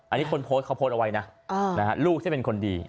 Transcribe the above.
อันนี้คนโพสต์เขาโพสต์เอาไว้นะลูกซึ่งเป็นคนดี